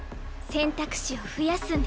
選択肢を増やすんです。